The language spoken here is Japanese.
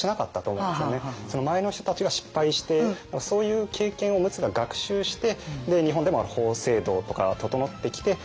その前の人たちが失敗してそういう経験を陸奥が学習して日本でも法制度とか整ってきてでなおかつ